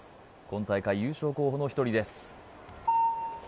今大会優勝候補の１人です